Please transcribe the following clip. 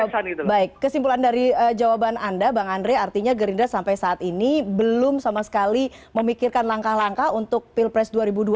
baik kesimpulan dari jawaban anda bang andre artinya gerindra sampai saat ini belum sama sekali memikirkan langkah langkah untuk pilpres dua ribu dua puluh